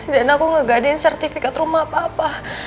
dan aku ngegadain sertifikat rumah papa